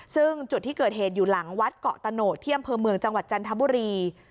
ซึ่งจุดที่เกิดเหตุอยู่หลังวัดเกาะตะโหดที่อำเภอเมืองจังหวัดจันทบุรี